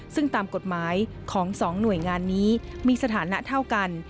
ซึ่งตามกฎหมายของ๒หน่วยงานนี้มีสถานะเท่ากัน